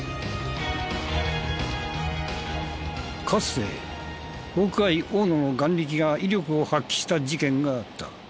かつてホークアイ大野の眼力が威力を発揮した事件があった。